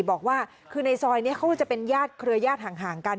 บอกว่าคือในซอยนี้เขาจะเป็นญาติเครือญาติห่างกัน